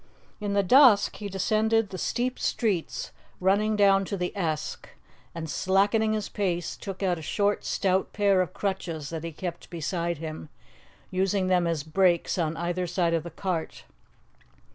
In the dusk he descended the steep streets running down to the Esk, and, slackening his pace, took out a short, stout pair of crutches that he kept beside him, using them as brakes on either side of the cart.